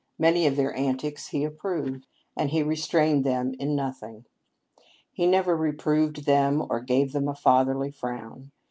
Many of their antics he approved, and he restrained them in nothing. He never reproved them or gave them a fatherly frown.